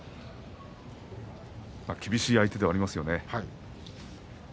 厳しい相手ではありますよね。